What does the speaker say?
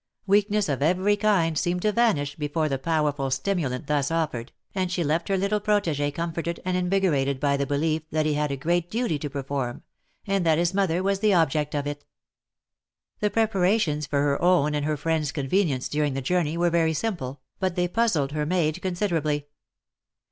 Weakness of every kind seemed to vanish before the powerful stimulant thus offered, and she left her little protege comforted and invigorated by the belief that he had a great duty to perform, and that his mother was the object of it. The preparations for her own and her friends' convenience during the journey were very simple, but they puzzled her maid considerably.